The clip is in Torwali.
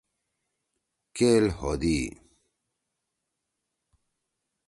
کیل ہودی۔